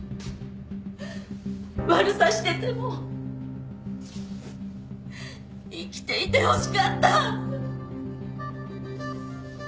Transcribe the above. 悪さしてても生きていてほしかった！